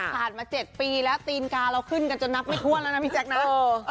ผ่านมา๗ปีแล้วตีนกาเราขึ้นกันจนนับไม่ถ้วนแล้วนะพี่แจ๊คนะ